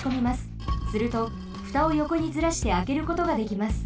するとふたをよこにずらしてあけることができます。